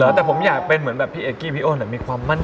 แต่ผมอยากเป็นเหมือนแบบพี่เอกกี้พี่โอนมีความมั่น